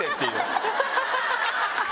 ハハハハ！